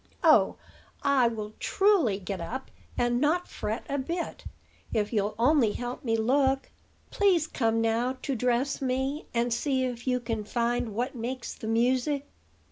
"Oh! I will, truly, get up, and not fret a bit, if you'll only help me look. Please come now to dress me, and see if you can find what makes the music."